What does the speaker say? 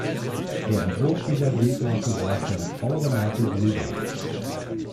Der Entwurf dieser Briefmarke war von Frau Renate Gruber.